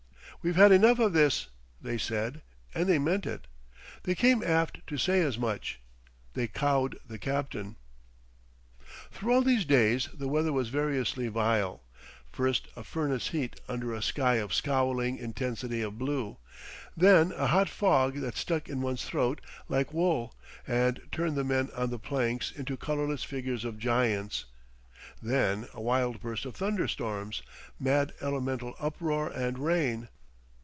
"We've had enough of this," they said, and they meant it. They came aft to say as much. They cowed the captain. Through all these days the weather was variously vile, first a furnace heat under a sky of a scowling intensity of blue, then a hot fog that stuck in one's throat like wool and turned the men on the planks into colourless figures of giants, then a wild burst of thunderstorms, mad elemental uproar and rain.